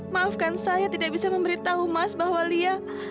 maafkan saya tidak bisa memberitahu mas bahwa lia